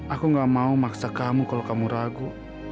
aku gak mau maksa kamu kalau kamu ragu